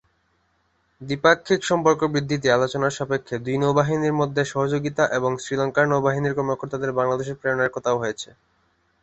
দ্বিপাক্ষিক সম্পর্ক বৃদ্ধিতে আলোচনার সাপেক্ষে, দুই নৌবাহিনীর মধ্যে সহযোগিতা এবং শ্রীলঙ্কার নৌবাহিনীর কর্মকর্তাদের বাংলাদেশে প্রেরণের কথাও হয়েছে।